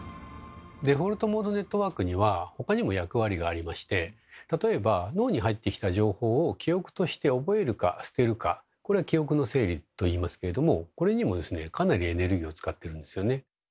デフォルトモードネットワークには他にも役割がありまして例えば脳に入ってきた情報を記憶として覚えるか捨てるかこれは「記憶の整理」と言いますけどもこれにもですねかなりエネルギーを使ってるんですよね。